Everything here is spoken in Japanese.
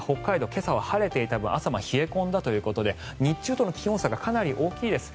今朝は晴れていた分朝も冷え込んだということで日中との気温差がかなり大きいです。